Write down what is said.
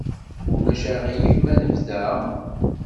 Ulac aɣilif ma nebda?